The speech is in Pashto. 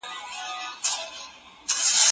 د هېواد بهرنیو تګلاره د ثبات لپاره کافي نه ده.